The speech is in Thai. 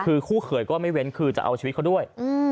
คือคู่เขยก็ไม่เว้นคือจะเอาชีวิตเขาด้วย